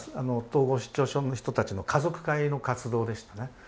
統合失調症の人たちの家族会の活動でしたね。